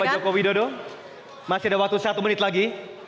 bapak joko widodo masih ada waktu satu menit lagi